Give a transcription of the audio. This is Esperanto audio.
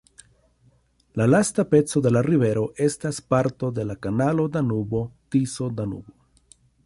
La lasta peco de la rivero estas parto de la kanalo Danubo-Tiso-Danubo.